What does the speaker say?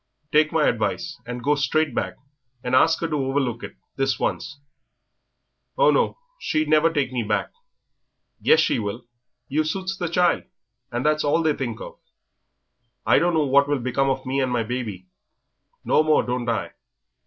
"Take my advice, and go straight back and ask 'er to overlook it, this once." "Oh, no, she'd never take me back." "Yes, she will; you suits the child, and that's all they think of." "I don't know what will become of me and my baby." "No more don't I.